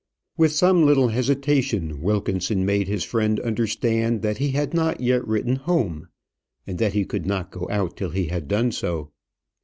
With some little hesitation, Wilkinson made his friend understand that he had not yet written home, and that he could not go out till he had done so.